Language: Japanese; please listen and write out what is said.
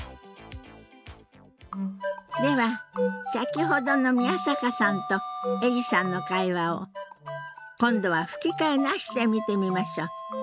では先ほどの宮坂さんとエリさんの会話を今度は吹き替えなしで見てみましょう。